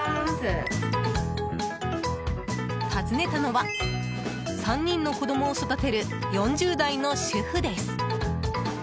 訪ねたのは３人の子供を育てる４０代の主婦です。